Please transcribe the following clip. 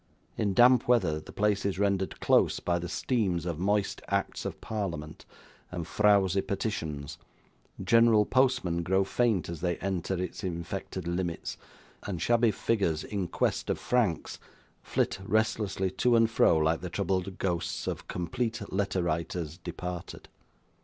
In damp weather, the place is rendered close, by the steams of moist acts of parliament and frouzy petitions; general postmen grow faint as they enter its infected limits, and shabby figures in quest of franks, flit restlessly to and fro like the troubled ghosts of Complete Letter writers departed.